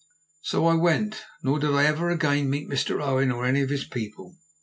So I went; nor did I ever again meet Mr. Owen or any of his people.